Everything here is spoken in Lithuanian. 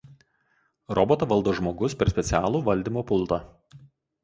Robotą valdo žmogus per specialų valdymo pultą.